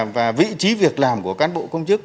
và vị trí việc làm của cán bộ công chức